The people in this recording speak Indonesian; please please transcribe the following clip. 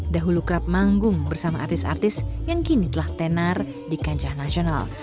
dahulu kerap manggung bersama artis artis yang kini telah tenar di kancah nasional